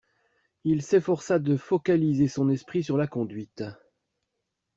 Il s’efforça de focaliser son esprit sur la conduite.